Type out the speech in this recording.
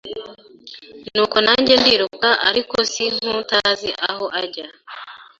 Nuko nanjye ndiruka ariko si nk’utazi aho ajya